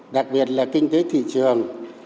đặc biệt là kinh tế thị trường